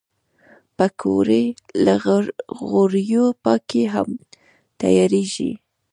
پکورې له غوړیو پاکې هم تیارېږي